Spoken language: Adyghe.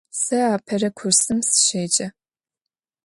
Сэ апэрэ курсым сыщеджэ.